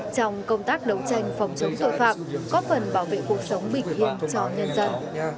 trong công tác đấu tranh phòng chống tội phạm có phần bảo vệ cuộc sống bình yên cho nhân dân